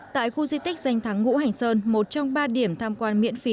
tại khu di tích danh tháng ngũ hành sơn một trong ba điểm tham quan miễn phí